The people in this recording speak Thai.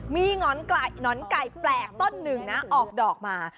มีหนอนไก่แปลกต้นหนึ่งนะออกดอกมา